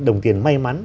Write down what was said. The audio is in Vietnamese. đồng tiền may mắn